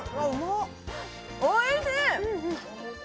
おいしい！